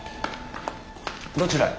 どちらへ？